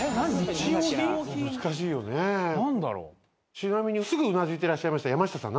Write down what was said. ちなみにすぐうなずいてらっしゃいました山下さん